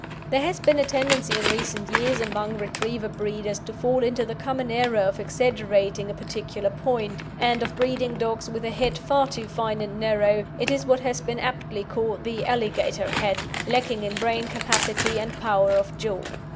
There has been a tendency in recent years among Retriever breeders to fall into the common error of exaggerating a particular point, and of breeding dogs with a head far too fine and narrow it is what has been aptly called the alligator head lacking in brain capacity and power of jaw.